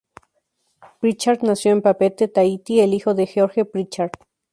Pritchard nació en Papeete, Tahití, el hijo de George Pritchard.